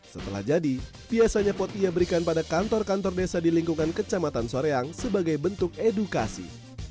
setelah jadi biasanya pot ia berikan pada kantor kantor desa di lingkungan kecamatan soreang sebagai bentuk edukasi